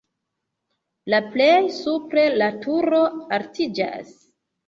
La plej supre la turo altiĝas.